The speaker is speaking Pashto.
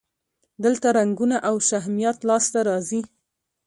دلته رنګونه او شهمیات لاسته راځي.